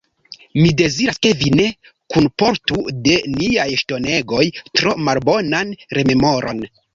Mi deziras, ke vi ne kunportu de niaj ŝtonegoj tro malbonan rememoron.